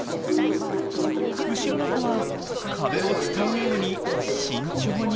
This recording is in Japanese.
後ろの子は壁を伝うように慎重に下りていきます。